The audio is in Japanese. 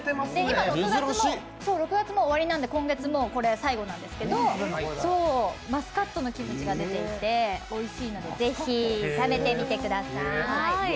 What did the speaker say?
今、６月も終わりなので今月、これ最後なんですけど、マスカットのキムチが出ていて、おいしいのでぜひ、食べてみてください。